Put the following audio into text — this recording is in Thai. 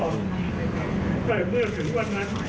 แต่เมื่อถึงวันนั้น